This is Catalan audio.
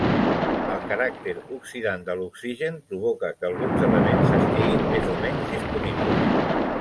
El caràcter oxidant de l'oxigen provoca que alguns elements estiguin més o menys disponibles.